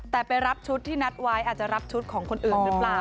แต่ไปรับชุดที่นัดไว้อาจจะรับชุดของคนอื่นหรือเปล่า